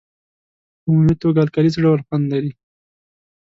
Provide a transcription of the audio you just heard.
په عمومي توګه القلي څه ډول خوند لري؟